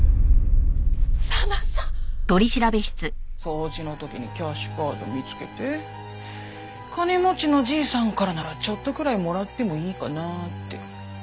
佐奈さん！？掃除の時にキャッシュカード見つけて金持ちのじいさんからならちょっとくらいもらってもいいかなって。